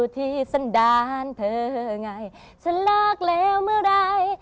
กันดานเธอไงฉันรักแล้วเมื่อไร